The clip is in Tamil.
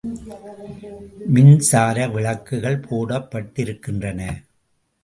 மின்சார விளக்குகள் போடப்பட்டிருக்கின்றன.